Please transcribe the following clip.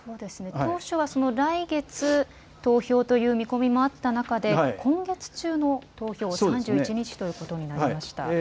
当初は来月、投票という見込みもあった中で今月中の投票３１日ということになりました。